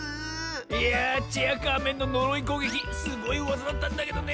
いやチェアカーメンののろいこうげきすごいわざだったんだけどね。